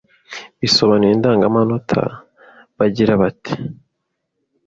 basobanuye indangamanota bagira bati: